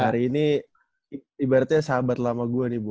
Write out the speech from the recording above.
hari ini ibaratnya sahabat lama gue nih bu